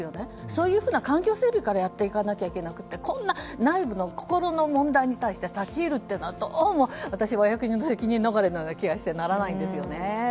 そういうふうな環境整備からやっていかなきゃいけなくて内部の心の問題に対して立ち入るというのはどうも私は責任逃れのような気がしてならないんですよね。